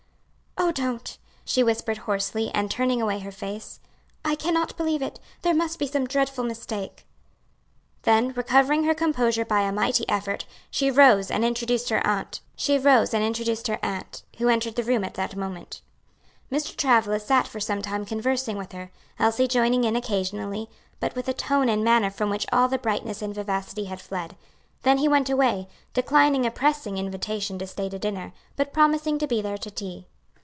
"Oh, don't!" she whispered hoarsely and turning away her face; "I cannot believe it; there must be some dreadful mistake." Then, recovering her composure by a mighty effort, she rose and introduced her aunt, who entered the room at that moment. Mr. Travilla sat for some time conversing with her, Elsie joining in occasionally, but with a tone and manner from which all the brightness and vivacity had fled; then he went away, declining a pressing invitation to stay to dinner, but promising to be there to tea.